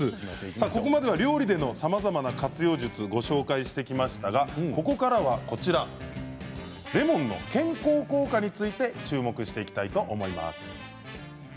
ここまでは料理でのさまざまな活用術についてご紹介しましたがここからはレモンの健康効果について注目していきたいと思います。